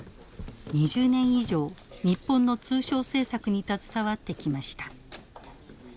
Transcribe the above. ２０年以上日本の通商政策に携わってきました。